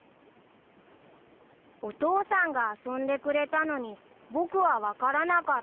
［お父さんが遊んでくれたのに僕は分からなかった］